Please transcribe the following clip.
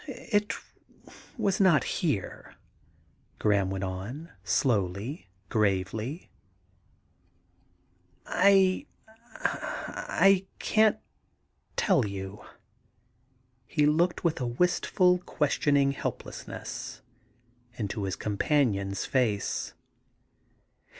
' It was not here,' Graham went on slowly, gravely. *I — I can't tell you.' He looked with a wistful, questioning helplessness into his companion's face.